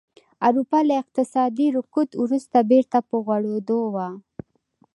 اروپا له اقتصادي رکود وروسته بېرته په غوړېدو وه